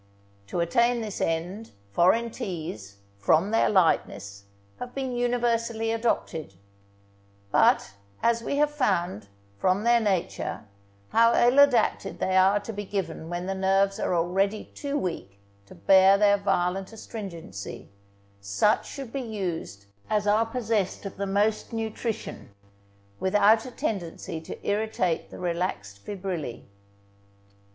To attain this end, foreign teas, from their lightness, have been universally adopted; but, as we have found, from their nature, how ill adapted they are to be given when the nerves are already too weak to bear their violent astringency, such should be used as are possessed of the most nutrition, without a tendency to irritate the relaxed fibrillæ.